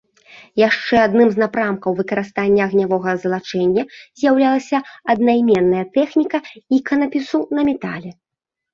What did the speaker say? Яшчэ адным з напрамкаў выкарыстання агнявога залачэння з'яўлялася аднайменная тэхніка іканапісу на метале.